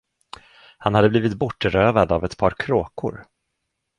Han hade blivit bortrövad av ett par kråkor.